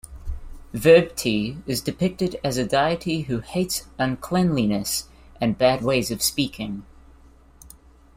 Verbti is depicted as a deity who hates uncleanliness and bad ways of speaking.